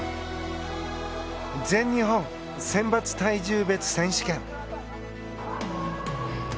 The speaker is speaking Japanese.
全日本選抜体重別選手権。